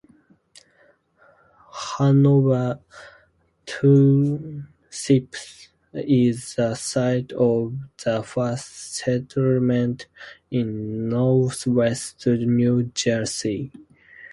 Hanover Township is the site of the first settlement in northwest New Jersey.